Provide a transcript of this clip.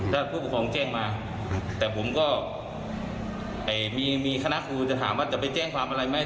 ถ้าผู้ปกครองแจ้งมาแต่ผมก็มีคณะครูจะถามว่าจะไปแจ้งความอะไรไหม